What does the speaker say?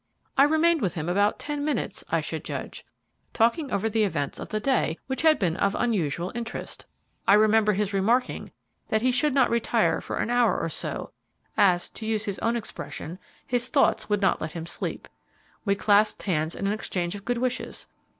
I remained with him about ten minutes, I should judge, talking over the events of the day which had been of unusual interest. I remember his remarking that he should not retire for an hour or so, as, to use his own expression, his thoughts would not let him sleep. We clasped hands with an exchange of good wishes.